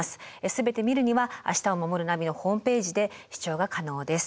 全て見るには「明日をまもるナビ」のホームページで視聴が可能です。